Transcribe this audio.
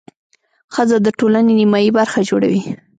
ښځه د ټولنې نیمایي برخه جوړوي.